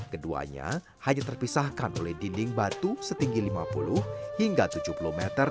keduanya hanya terpisahkan oleh dinding batu setinggi lima puluh hingga tujuh puluh meter